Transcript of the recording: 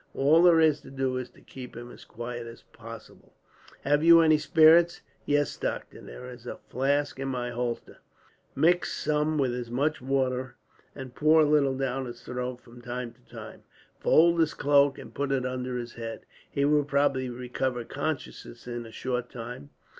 All there is to do is to keep him as quiet as possible. "Have you any spirits?" "Yes, doctor, there is a flask in his holster." "Mix some with as much water, and pour a little down his throat from time to time. Fold his cloak, and put it under his head. He will probably recover consciousness in a short time.